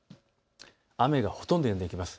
雨がほとんどやんできます。